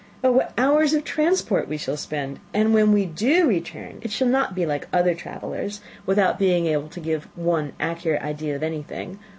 Oh, what hours of transport we shall spend! And when we do return, it shall not be like other travellers, without being able to give one accurate idea of anything.